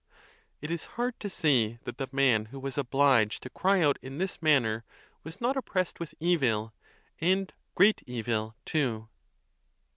It is hard to say that the man who was obliged to cry out in this manner was not oppressed with evil, and great evil, too.